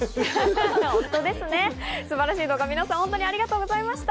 素晴らしい動画、みなさんありがとうございました。